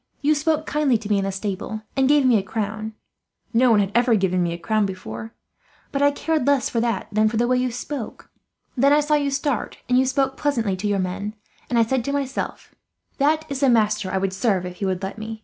You spoke kindly to me in the stable, and gave me a crown. No one had ever given me a crown before. But I cared less for that than for the way you spoke. Then I saw you start, and you spoke pleasantly to your men; and I said to myself, 'that is the master I would serve, if he would let me.'